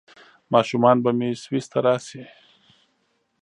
ماشومان به مې سویس ته راشي؟